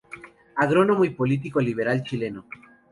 Agrónomo y político liberal chileno.